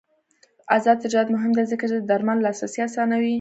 آزاد تجارت مهم دی ځکه چې د درملو لاسرسی اسانوي.